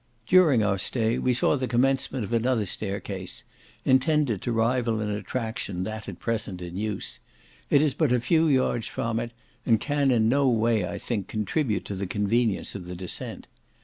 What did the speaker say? During our stay we saw the commencement of another staircase, intended to rival in attraction that at present in use; it is but a few yards from it, and can in no way, I think, contribute to the convenience of the descent.